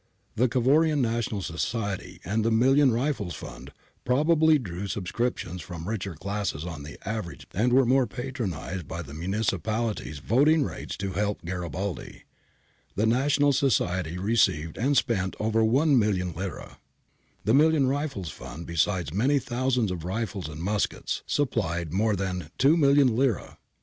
The Cavourian National Society and the Million Rifles fund probably drew subscriptions from richer classes on the average, and were more patronised by the municipal ities voting rates to help Garibaldi. The National Society re ceived and spent over 1,000,000 lire. (See accounts given in La F. {Biujtdi\ ii. 527 529.) The Million Rifles Fund, besides many thousands of rifles and muskets, supplied more than 2,000,000 lire {BertaniComp. p. 24).